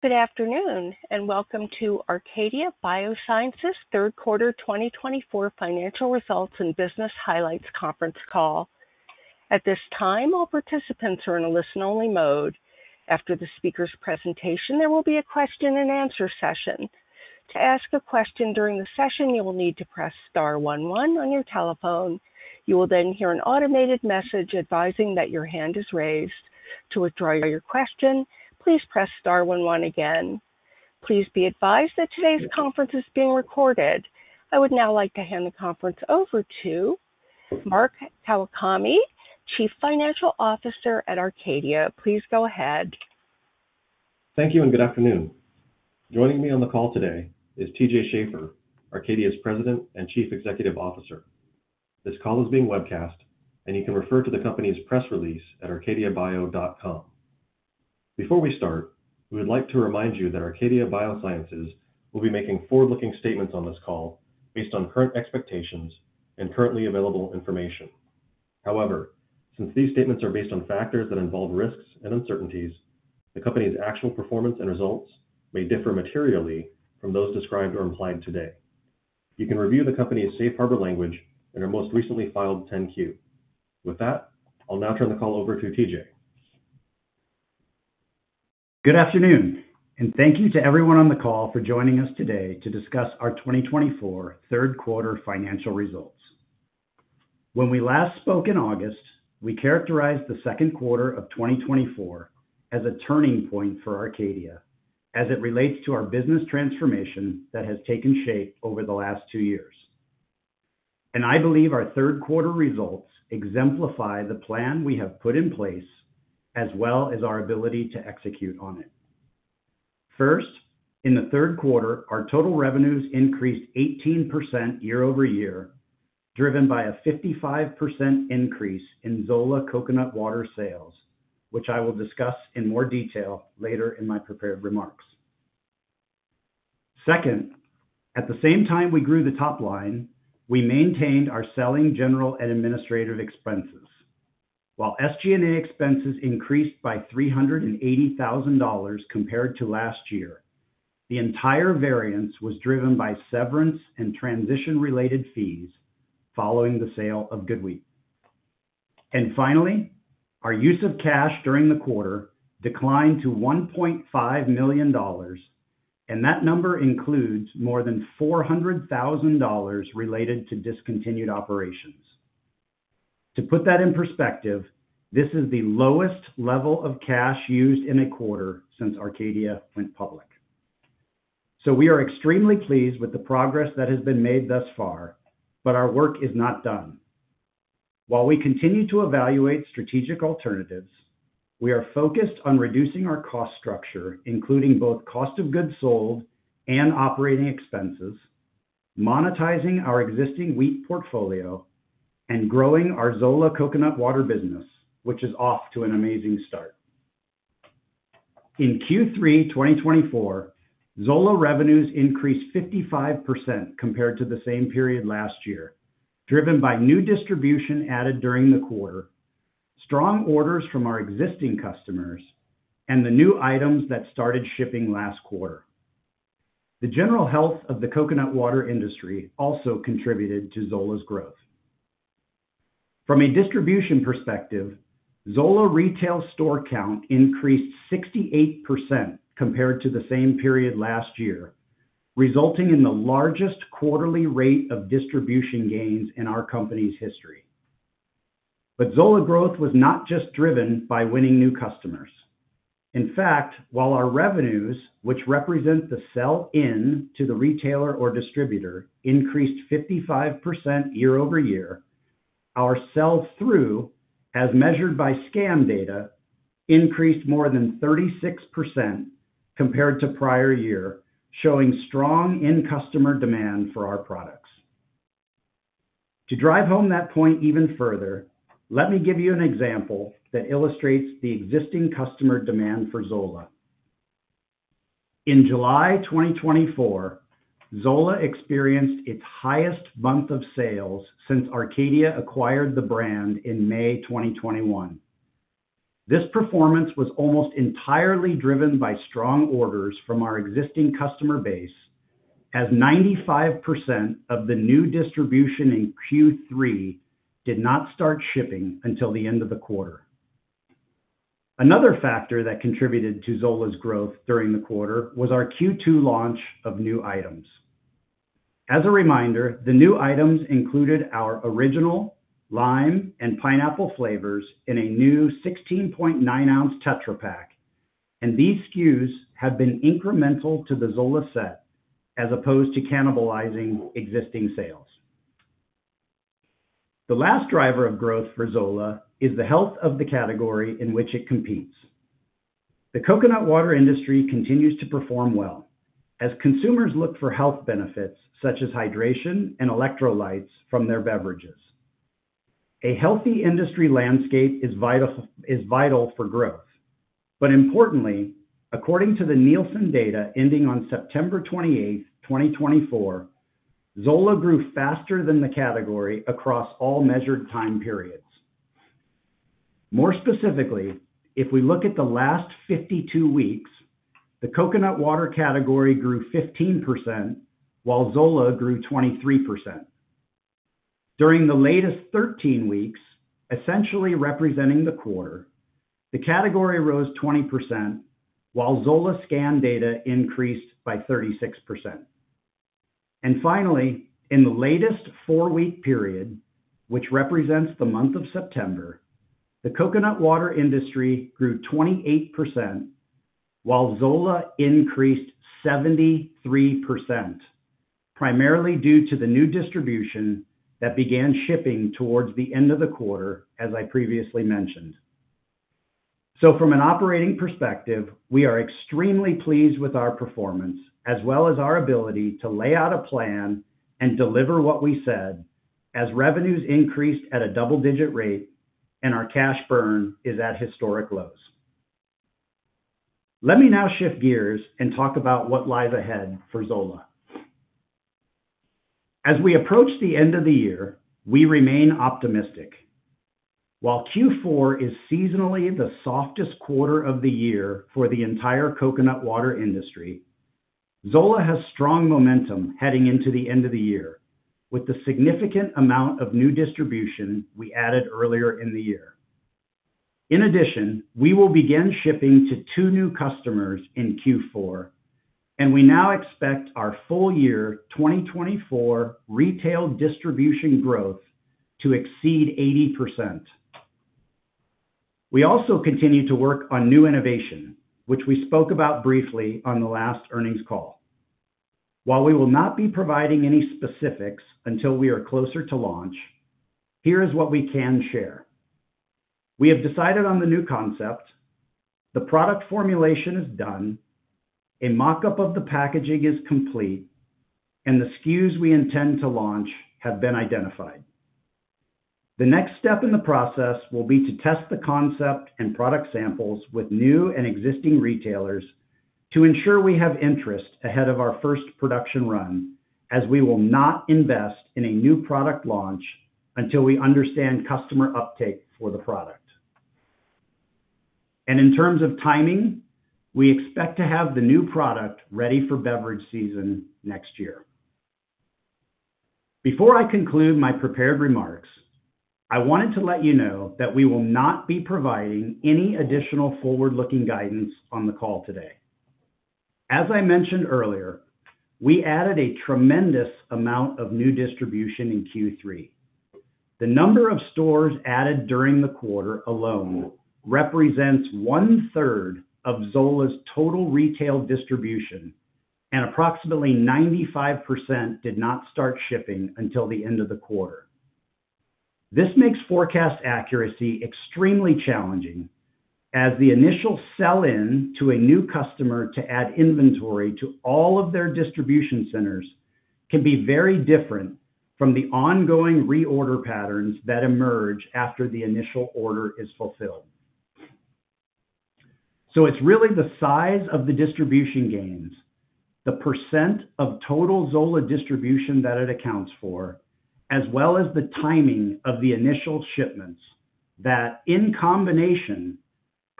Good afternoon and welcome to Arcadia Biosciences' third quarter 2024 financial results and business highlights conference call. At this time, all participants are in a listen-only mode. After the speaker's presentation, there will be a question-and-answer session. To ask a question during the session, you will need to press star one one on your telephone. You will then hear an automated message advising that your hand is raised. To withdraw your question, please press star one one again. Please be advised that today's conference is being recorded. I would now like to hand the conference over to Mark Kawakami, Chief Financial Officer at Arcadia. Please go ahead. Thank you and good afternoon. Joining me on the call today is TJ Schaefer, Arcadia's President and Chief Executive Officer. This call is being webcast, and you can refer to the company's press release at arcadiabio.com. Before we start, we would like to remind you that Arcadia Biosciences will be making forward-looking statements on this call based on current expectations and currently available information. However, since these statements are based on factors that involve risks and uncertainties, the company's actual performance and results may differ materially from those described or implied today. You can review the company's safe harbor language and our most recently filed 10-Q. With that, I'll now turn the call over to TJ. Good afternoon, and thank you to everyone on the call for joining us today to discuss our 2024 third quarter financial results. When we last spoke in August, we characterized the second quarter of 2024 as a turning point for Arcadia as it relates to our business transformation that has taken shape over the last two years. And I believe our third quarter results exemplify the plan we have put in place as well as our ability to execute on it. First, in the third quarter, our total revenues increased 18% year-over-year, driven by a 55% increase in Zola coconut water sales, which I will discuss in more detail later in my prepared remarks. Second, at the same time we grew the top line, we maintained our selling, general, and administrative expenses. While SG&A expenses increased by $380,000 compared to last year, the entire variance was driven by severance and transition-related fees following the sale of GoodWheat. And finally, our use of cash during the quarter declined to $1.5 million, and that number includes more than $400,000 related to discontinued operations. To put that in perspective, this is the lowest level of cash used in a quarter since Arcadia went public. So we are extremely pleased with the progress that has been made thus far, but our work is not done. While we continue to evaluate strategic alternatives, we are focused on reducing our cost structure, including both cost of goods sold and operating expenses, monetizing our existing wheat portfolio, and growing our Zola coconut water business, which is off to an amazing start. In Q3 2024, Zola revenues increased 55% compared to the same period last year, driven by new distribution added during the quarter, strong orders from our existing customers, and the new items that started shipping last quarter. The general health of the coconut water industry also contributed to Zola's growth. From a distribution perspective, Zola retail store count increased 68% compared to the same period last year, resulting in the largest quarterly rate of distribution gains in our company's history. But Zola growth was not just driven by winning new customers. In fact, while our revenues, which represent the sell-in to the retailer or distributor, increased 55% year-over-year, our sell-through, as measured by scan data, increased more than 36% compared to prior year, showing strong in-customer demand for our products. To drive home that point even further, let me give you an example that illustrates the existing customer demand for Zola. In July 2024, Zola experienced its highest month of sales since Arcadia acquired the brand in May 2021. This performance was almost entirely driven by strong orders from our existing customer base, as 95% of the new distribution in Q3 did not start shipping until the end of the quarter. Another factor that contributed to Zola's growth during the quarter was our Q2 launch of new items. As a reminder, the new items included our original lime and pineapple flavors in a new 16.9-ounce Tetra Pak, and these SKUs have been incremental to the Zola set as opposed to cannibalizing existing sales. The last driver of growth for Zola is the health of the category in which it competes. The coconut water industry continues to perform well as consumers look for health benefits such as hydration and electrolytes from their beverages. A healthy industry landscape is vital for growth, but importantly, according to the Nielsen data ending on September 28, 2024, Zola grew faster than the category across all measured time periods. More specifically, if we look at the last 52 weeks, the coconut water category grew 15% while Zola grew 23%. During the latest 13 weeks, essentially representing the quarter, the category rose 20% while Zola scan data increased by 36%, and finally, in the latest four-week period, which represents the month of September, the coconut water industry grew 28% while Zola increased 73%, primarily due to the new distribution that began shipping towards the end of the quarter, as I previously mentioned. From an operating perspective, we are extremely pleased with our performance as well as our ability to lay out a plan and deliver what we said as revenues increased at a double-digit rate and our cash burn is at historic lows. Let me now shift gears and talk about what lies ahead for Zola. As we approach the end of the year, we remain optimistic. While Q4 is seasonally the softest quarter of the year for the entire coconut water industry, Zola has strong momentum heading into the end of the year with the significant amount of new distribution we added earlier in the year. In addition, we will begin shipping to two new customers in Q4, and we now expect our full year 2024 retail distribution growth to exceed 80%. We also continue to work on new innovation, which we spoke about briefly on the last earnings call. While we will not be providing any specifics until we are closer to launch, here is what we can share. We have decided on the new concept, the product formulation is done, a mockup of the packaging is complete, and the SKUs we intend to launch have been identified. The next step in the process will be to test the concept and product samples with new and existing retailers to ensure we have interest ahead of our first production run, as we will not invest in a new product launch until we understand customer uptake for the product. And in terms of timing, we expect to have the new product ready for beverage season next year. Before I conclude my prepared remarks, I wanted to let you know that we will not be providing any additional forward-looking guidance on the call today. As I mentioned earlier, we added a tremendous amount of new distribution in Q3. The number of stores added during the quarter alone represents one-third of Zola's total retail distribution, and approximately 95% did not start shipping until the end of the quarter. This makes forecast accuracy extremely challenging, as the initial sell-in to a new customer to add inventory to all of their distribution centers can be very different from the ongoing reorder patterns that emerge after the initial order is fulfilled. So it's really the size of the distribution gains, the percent of total Zola distribution that it accounts for, as well as the timing of the initial shipments that in combination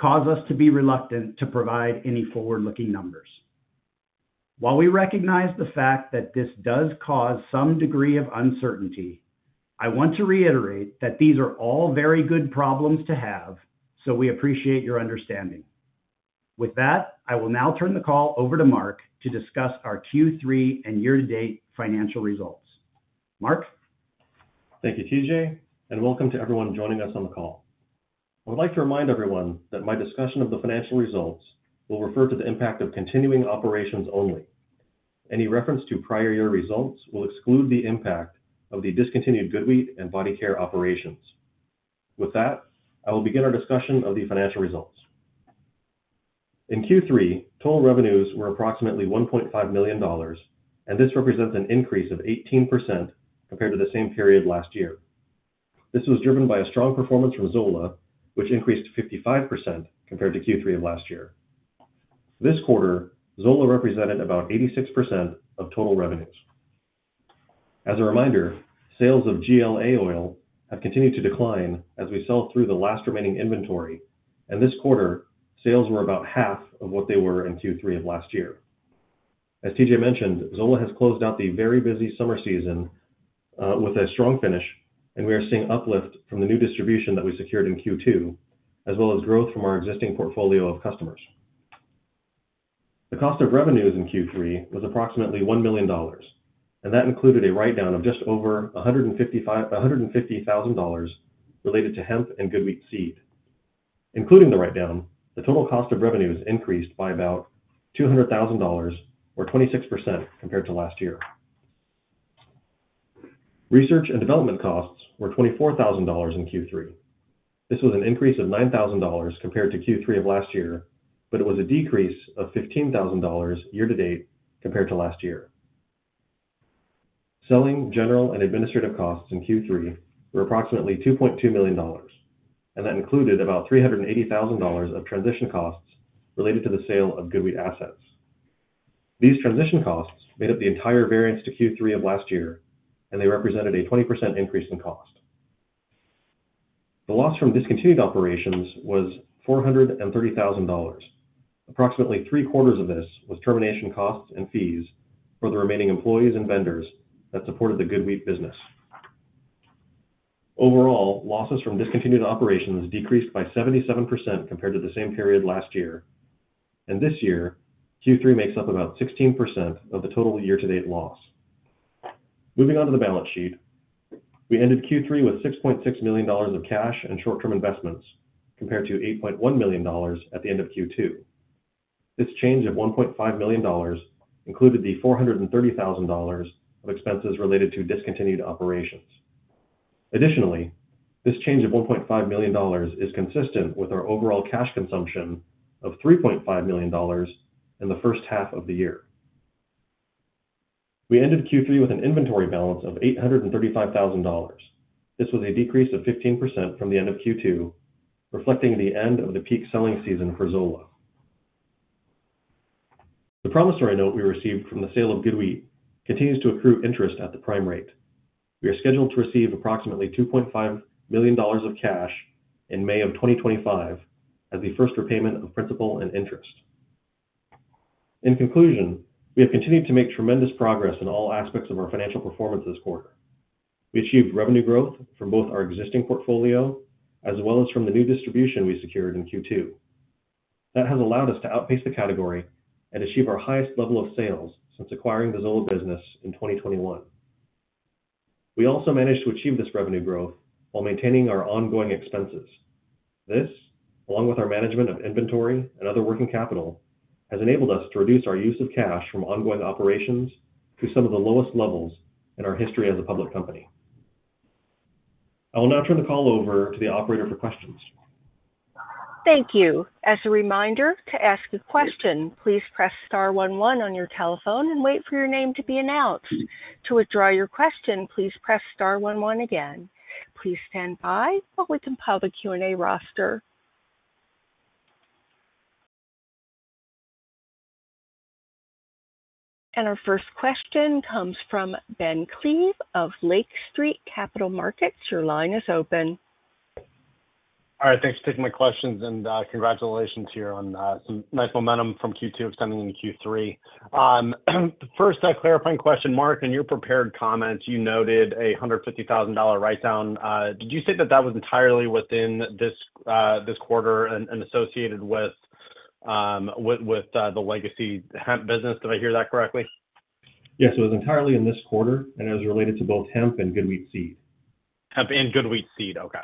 cause us to be reluctant to provide any forward-looking numbers. While we recognize the fact that this does cause some degree of uncertainty, I want to reiterate that these are all very good problems to have, so we appreciate your understanding. With that, I will now turn the call over to Mark to discuss our Q3 and year-to-date financial results. Mark? Thank you, T.J., and welcome to everyone joining us on the call. I would like to remind everyone that my discussion of the financial results will refer to the impact of continuing operations only. Any reference to prior year results will exclude the impact of the discontinued GoodWheat and body care operations. With that, I will begin our discussion of the financial results. In Q3, total revenues were approximately $1.5 million, and this represents an increase of 18% compared to the same period last year. This was driven by a strong performance from Zola, which increased 55% compared to Q3 of last year. This quarter, Zola represented about 86% of total revenues. As a reminder, sales of GLA oil have continued to decline as we sell through the last remaining inventory, and this quarter, sales were about half of what they were in Q3 of last year. As TJ mentioned, Zola has closed out the very busy summer season with a strong finish, and we are seeing uplift from the new distribution that we secured in Q2, as well as growth from our existing portfolio of customers. The cost of revenues in Q3 was approximately $1 million, and that included a write-down of just over $150,000 related to hemp and GoodWheat seed. Including the write-down, the total cost of revenues increased by about $200,000, or 26% compared to last year. Research and development costs were $24,000 in Q3. This was an increase of $9,000 compared to Q3 of last year, but it was a decrease of $15,000 year-to-date compared to last year. Selling, general, and administrative costs in Q3 were approximately $2.2 million, and that included about $380,000 of transition costs related to the sale of GoodWheat assets. These transition costs made up the entire variance to Q3 of last year, and they represented a 20% increase in cost. The loss from discontinued operations was $430,000. Approximately three-quarters of this was termination costs and fees for the remaining employees and vendors that supported the GoodWheat business. Overall, losses from discontinued operations decreased by 77% compared to the same period last year, and this year, Q3 makes up about 16% of the total year-to-date loss. Moving on to the balance sheet, we ended Q3 with $6.6 million of cash and short-term investments compared to $8.1 million at the end of Q2. This change of $1.5 million included the $430,000 of expenses related to discontinued operations. Additionally, this change of $1.5 million is consistent with our overall cash consumption of $3.5 million in the first half of the year. We ended Q3 with an inventory balance of $835,000. This was a decrease of 15% from the end of Q2, reflecting the end of the peak selling season for Zola. The promissory note we received from the sale of GoodWheat continues to accrue interest at the prime rate. We are scheduled to receive approximately $2.5 million of cash in May of 2025 as the first repayment of principal and interest. In conclusion, we have continued to make tremendous progress in all aspects of our financial performance this quarter. We achieved revenue growth from both our existing portfolio as well as from the new distribution we secured in Q2. That has allowed us to outpace the category and achieve our highest level of sales since acquiring the Zola business in 2021. We also managed to achieve this revenue growth while maintaining our ongoing expenses. This, along with our management of inventory and other working capital, has enabled us to reduce our use of cash from ongoing operations to some of the lowest levels in our history as a public company. I will now turn the call over to the operator for questions. Thank you. As a reminder, to ask a question, please press star one one on your telephone and wait for your name to be announced. To withdraw your question, please press star one one again. Please stand by while we compile the Q&A roster. And our first question comes from Ben Klieve of Lake Street Capital Markets. Your line is open. All right. Thanks for taking my questions, and congratulations here on some nice momentum from Q2 extending into Q3. First, a clarifying question, Mark. In your prepared comments, you noted a $150,000 write-down. Did you say that that was entirely within this quarter and associated with the legacy hemp business? Did I hear that correctly? Yes, it was entirely in this quarter, and it was related to both hemp and GoodWheat seed. Hemp and GoodWheat seed. Okay.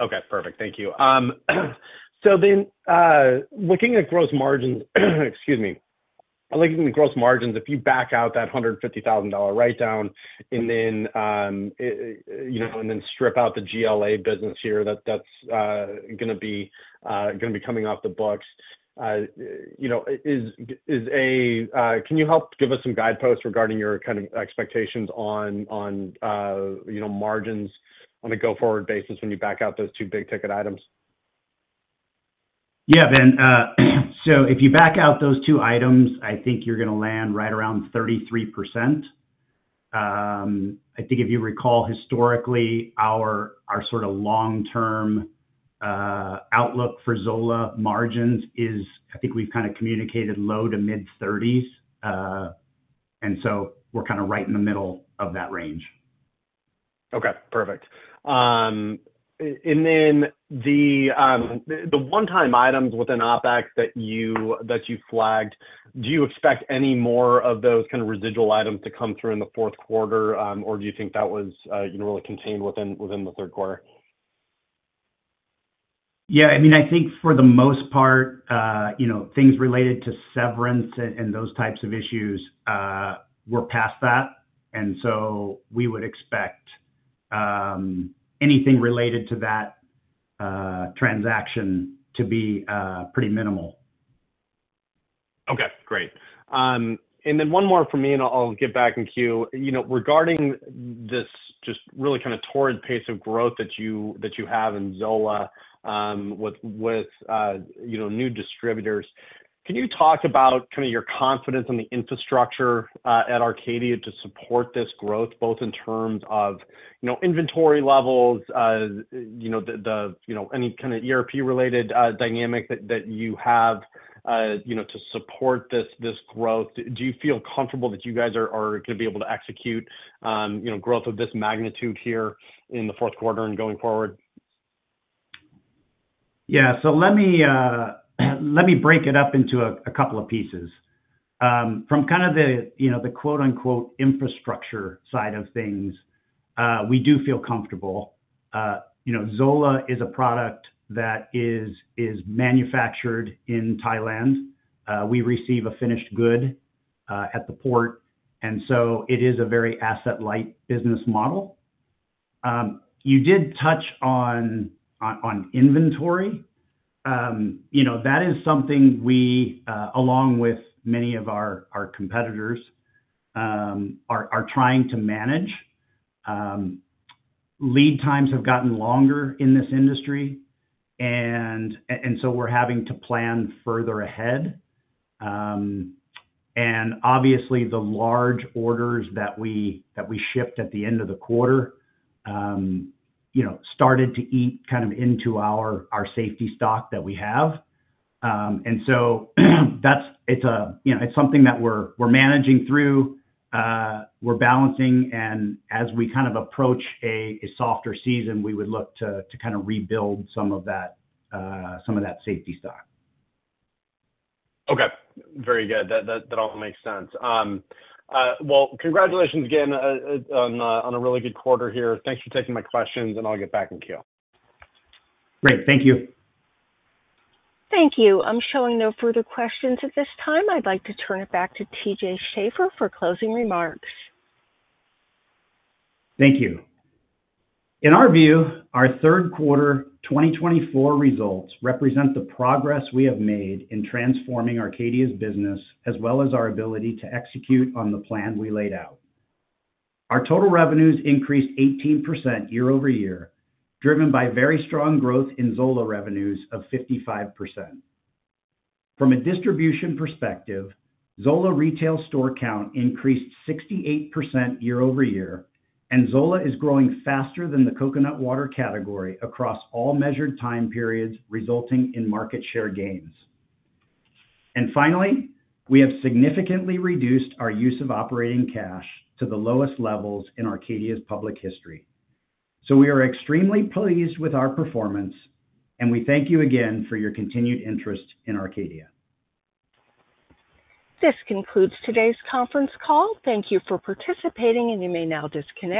Okay. Perfect. Thank you. So then looking at gross margins, excuse me, looking at gross margins, if you back out that $150,000 write-down and then strip out the GLA business here, that's going to be coming off the books. Can you help give us some guideposts regarding your kind of expectations on margins on a go-forward basis when you back out those two big-ticket items? Yeah, Ben. So if you back out those two items, I think you're going to land right around 33%. I think if you recall, historically, our sort of long-term outlook for Zola margins is, I think we've kind of communicated low to mid-30s, and so we're kind of right in the middle of that range. Okay. Perfect. And then the one-time items within OpEx that you flagged, do you expect any more of those kind of residual items to come through in the fourth quarter, or do you think that was really contained within the third quarter? Yeah. I mean, I think for the most part, things related to severance and those types of issues were past that, and so we would expect anything related to that transaction to be pretty minimal. Okay. Great. And then one more from me, and I'll get back in queue. Regarding this just really kind of torrid pace of growth that you have in Zola with new distributors, can you talk about kind of your confidence in the infrastructure at Arcadia to support this growth, both in terms of inventory levels, any kind of ERP-related dynamic that you have to support this growth? Do you feel comfortable that you guys are going to be able to execute growth of this magnitude here in the fourth quarter and going forward? Yeah. So let me break it up into a couple of pieces. From kind of the quote-unquote infrastructure side of things, we do feel comfortable. Zola is a product that is manufactured in Thailand. We receive a finished good at the port, and so it is a very asset-light business model. You did touch on inventory. That is something we, along with many of our competitors, are trying to manage. Lead times have gotten longer in this industry, and so we're having to plan further ahead. And obviously, the large orders that we shipped at the end of the quarter started to eat kind of into our safety stock that we have. And so it's something that we're managing through. We're balancing, and as we kind of approach a softer season, we would look to kind of rebuild some of that safety stock. Okay. Very good. That all makes sense. Well, congratulations again on a really good quarter here. Thanks for taking my questions, and I'll get back in queue. Great. Thank you. Thank you. I'm showing no further questions at this time. I'd like to turn it back to T.J. Schaefer for closing remarks. Thank you. In our view, our third quarter 2024 results represent the progress we have made in transforming Arcadia's business as well as our ability to execute on the plan we laid out. Our total revenues increased 18% year-over-year, driven by very strong growth in Zola revenues of 55%. From a distribution perspective, Zola retail store count increased 68% year-over-year, and Zola is growing faster than the coconut water category across all measured time periods, resulting in market share gains. And finally, we have significantly reduced our use of operating cash to the lowest levels in Arcadia's public history. So we are extremely pleased with our performance, and we thank you again for your continued interest in Arcadia. This concludes today's conference call. Thank you for participating, and you may now disconnect.